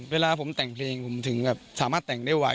เวลาผมแต่งเพลงผมถึงแบบสามารถแต่งได้ไว